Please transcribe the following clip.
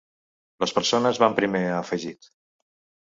Les persones van primer, ha afegit.